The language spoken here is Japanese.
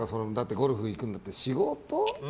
ゴルフ行くのだって仕事？